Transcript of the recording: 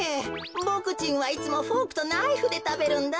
ボクちんはいつもフォークとナイフでたべるんだ。